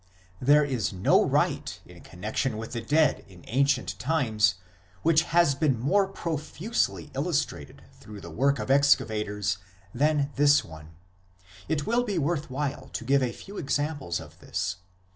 There is no rite in connexion with the dead in ancient times which has been more profusely illustrated through the work of excavators than this one. It will be worth while to give a few examples of this.